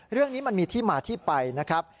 เรื่องนี้มันมีที่มาที่ไปนะครับ